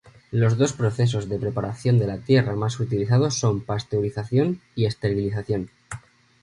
Los dos procesos de preparación de la tierra más utilizados son pasteurización y esterilización.